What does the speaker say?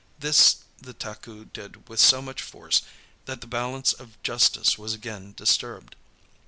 This the Taku did with so much force that the balance of justice was again disturbed.